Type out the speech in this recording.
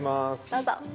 どうぞ。